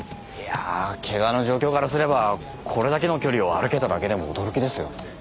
いやあ怪我の状況からすればこれだけの距離を歩けただけでも驚きですよ。